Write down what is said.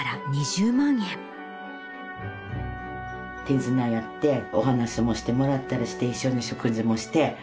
手品やってお話もしてもらったりして一緒に食事もして。